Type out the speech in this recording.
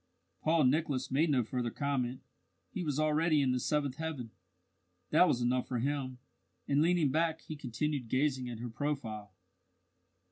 Paul Nicholas made no further comment. He was already in the seventh heaven that was enough for him; and leaning back, he continued gazing at her profile.